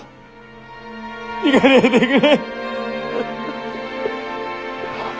・逝かないでくれ！